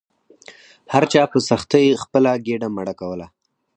هر چا په سختۍ خپله ګیډه مړه کوله.